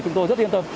chúng tôi rất yên tâm